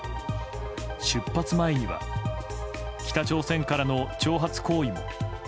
出発前には北朝鮮からの挑発行為も。